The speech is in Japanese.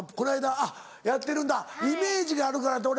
あっやってるんだイメージがあるから俺。